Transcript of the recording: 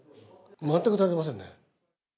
全く足りてませんね。